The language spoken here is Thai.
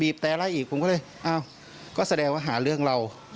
แต่ไล่อีกผมก็เลยอ้าวก็แสดงว่าหาเรื่องเรา